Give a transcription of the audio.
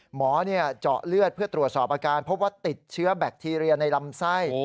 หมอเจาะเลือดเพื่อตรวจสอบอาการพบว่าติดเชื้อแบคทีเรียในลำไส้